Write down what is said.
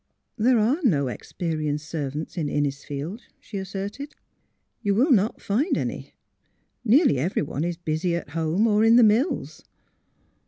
'' There are no experienced servants in Innis field," she asserted. '' You will not find any. Nearly everyone is busy at home, or in the mills."